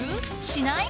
しない？